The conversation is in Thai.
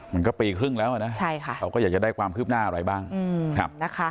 มันก็ปีครึ่งแล้วนะเขาก็อยากจะได้ความคืบหน้าอะไรบ้างนะคะ